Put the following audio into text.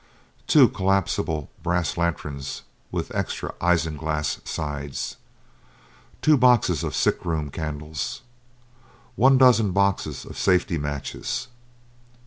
Two collapsible brass lanterns, with extra isinglass sides. Two boxes of sick room candles. One dozen boxes of safety matches.